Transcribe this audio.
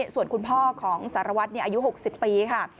ส่วนคุณพ่อของสารวัตรอายุ๖๐ปีค่ะ